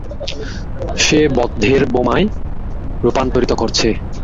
সে বটদের বোমায় রূপান্তরিত করছে!